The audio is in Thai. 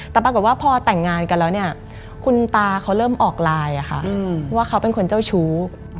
แต่ปรากฏว่าพอแต่งงานกันแล้วเนี่ยคุณตาเขาเริ่มออกไลน์ว่าเขาเป็นคนเจ้าชู้